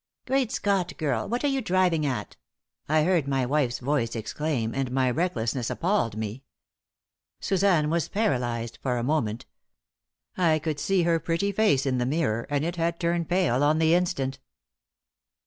"Great Scott, girl! what are you driving at?" I heard my wife's voice exclaim, and my recklessness appalled me. Suzanne was paralyzed for a moment. I could see her pretty face in the mirror, and it had turned pale on the instant.